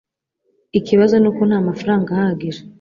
Ikibazo nuko ntamafaranga ahagije